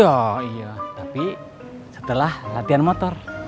oh iya tapi setelah latihan motor